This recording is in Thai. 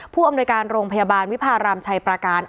ผู้อำนวยการโรงพยาบาลวิพารามชัยประการ